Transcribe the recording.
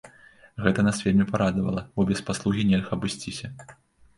Гэта нас вельмі парадавала, бо без паслугі нельга абысціся.